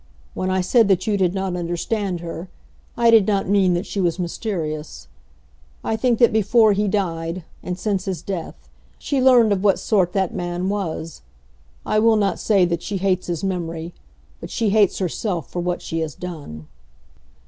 When I said that you did not understand her, I did not mean that she was mysterious. I think that before he died, and since his death, she learned of what sort that man was. I will not say that she hates his memory, but she hates herself for what she has done."